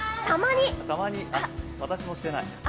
私もしてない。